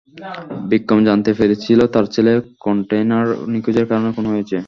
বিক্রম জানতে পেরেছিল তার ছেলে কন্টেইনার নিখোঁজের কারণে খুন হয়েছে।